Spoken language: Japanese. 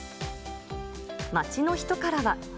街の人からは。